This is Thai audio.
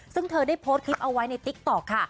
ซึ่งเธอได้โพสต์คลิปเอาไว้ในติ๊กต๊อกค่ะ